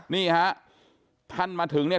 นี่ฮะท่านมาถึงเนี่ย